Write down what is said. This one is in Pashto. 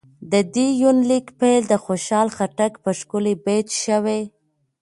د دې يونليک پيل د خوشحال خټک په ښکلي بېت شوې